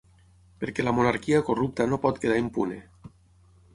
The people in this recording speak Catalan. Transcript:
Perquè la monarquia corrupta no pot quedar impune.